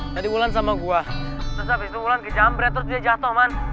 tadi wulan sama gue terus abis itu wulan kejam berat terus dia jatuh man